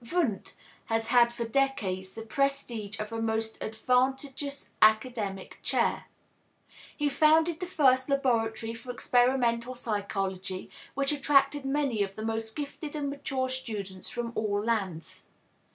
Wundt has had for decades the prestige of a most advantageous academic chair. He founded the first laboratory for experimental psychology, which attracted many of the most gifted and mature students from all lands.